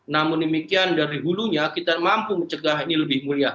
namun demikian dari hulunya kita mampu mencegah ini lebih mulia